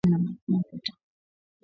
Kazi inaleta heshima na makuta